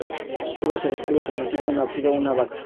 Kúbera se describe como nacido de una vaca.